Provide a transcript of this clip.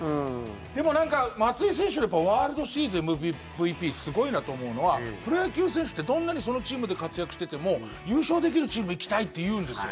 でもなんか松井選手はワールドシリーズＭＶＰすごいなと思うのはプロ野球選手ってどんなにそのチームで活躍してても優勝できるチーム行きたいって言うんですよ。